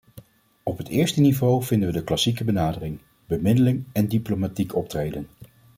Op het eerste niveau vinden we de klassieke benadering: bemiddeling en diplomatiek optreden.